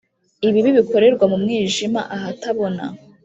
ibibi bikorerwa mu mwijima ahatabona